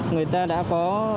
người ta đã có